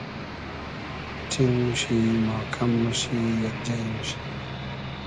ݖینگ موشی, ماکئم موشی, یئگ جݷ موشی